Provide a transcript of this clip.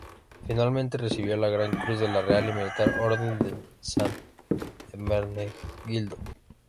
Finalmente recibió la Gran Cruz de la Real y Militar Orden de San Hermenegildo.